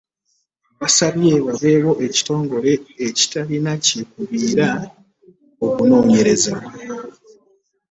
Basabye wabeewo ekitongole ekitalina kyekubiira okunoonyereza.